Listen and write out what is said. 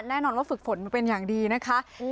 แน่นอนว่าฝึกฝนมาเป็นอย่างดีนะคะ